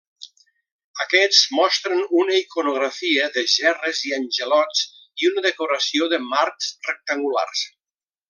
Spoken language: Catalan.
Aquests mostren una iconografia de gerres i angelots i una decoració de marcs rectangulars.